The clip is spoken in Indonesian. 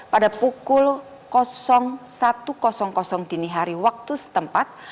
pada pukul satu dini hari waktu setempat